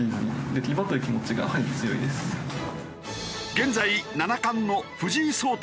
現在七冠の藤井聡太